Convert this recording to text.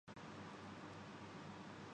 کہ تینوں فارمیٹ میں